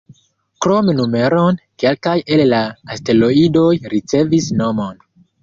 Krom numeron, kelkaj el la asteroidoj ricevis nomon.